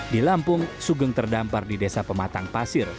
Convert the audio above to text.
di lampung sugeng terdampar di desa pematang pasir